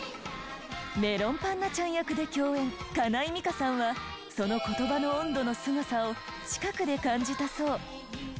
メロンパンナちゃん役で共演かないみかさんはその言葉の温度のスゴさを近くで感じたそう。